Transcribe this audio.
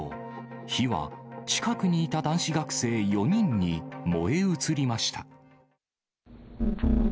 火は近くにいた男子学生４人に燃え移りました。